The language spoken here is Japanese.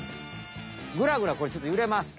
グラグラこれちょっとゆれます。